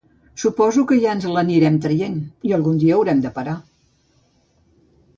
Suposo que ja ens l’anirem traient i algun dia haurem de parar.